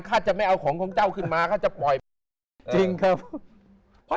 ข้าจะไม่เอาของของเจ้าขึ้นมาข้าจะปล่อยบ้าน